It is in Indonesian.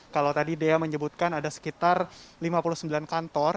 kalau tadi dea menyebutkan ada sekitar lima puluh sembilan kantor